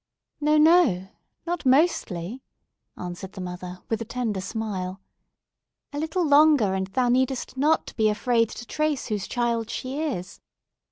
"No, no! Not mostly!" answered the mother, with a tender smile. "A little longer, and thou needest not to be afraid to trace whose child she is.